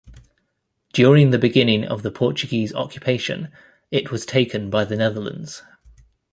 During the beginning of the Portuguese occupation, it was taken by the Netherlands.